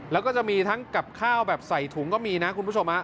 แล้วก็จะมีทั้งกับข้าวแบบใส่ถุงก็มีนะคุณผู้ชม